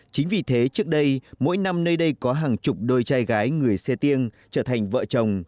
chính vì thế trước đây mỗi năm nơi đây có hàng chục đôi trai gái người xê tiên trở thành vợ chồng